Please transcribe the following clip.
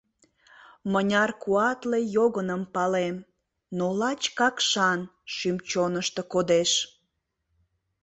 Мыняр куатле йогыным палем, Но лач Какшан шӱм-чонышто кодеш.